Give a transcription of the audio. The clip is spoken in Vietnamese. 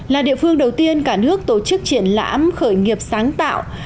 là địa phương đầu tiên cả nước tổ chức triển lãm khởi nghiệp sáng tạo